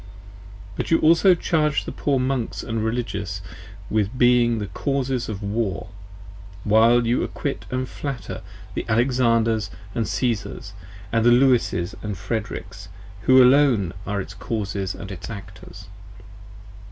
But you also charge the poor Monks & Religious with being the causes of War; while you acquit & flatter the Alexanders & Caesars, the Lewis's & Fredericks, who alone are its causes & its actors.